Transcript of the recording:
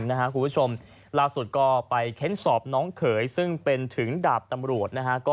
คุณผู้ผู้ชมล่าสุดไปเข้นสอบน้องเขยเป็นถึงดาบตำรวจ